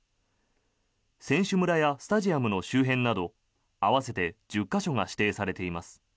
選手村やスタジアムの周辺など合わせて１０か所が指定されています。